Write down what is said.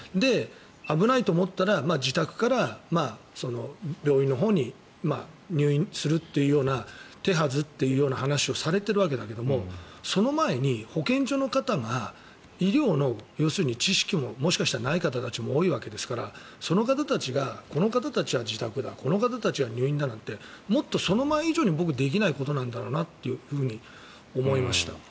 危ないと思ったら自宅から病院のほうに入院するというような手はずというような話をされてるはずだけどその前に保健所の方が医療の知識ももしかしたらない方たちも多いわけですからその方たちがこの方たちは自宅だこの方たちは入院だなんてもっとその前以上に僕できないことなんだろうなと思いました。